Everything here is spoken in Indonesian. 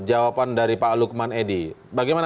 jawaban dari pak lukman edi bagaimana